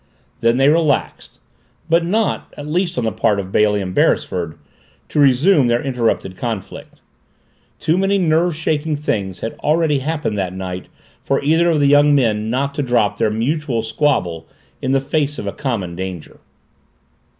Then they relaxed, but not, at least on the part of Bailey and Beresford, to resume their interrupted conflict. Too many nerve shaking things had already happened that night for either of the young men not to drop their mutual squabble in the face of a common danger.